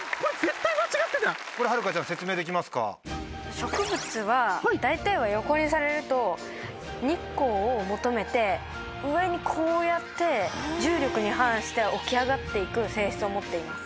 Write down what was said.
植物は大体は横にされると日光を求めて上にこうやって重力に反して起き上がって行く性質を持っています。